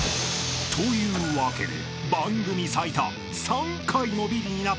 ［というわけで番組最多］